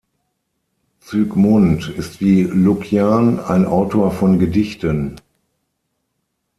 Zygmunt ist wie Lucjan ein Autor von Gedichten.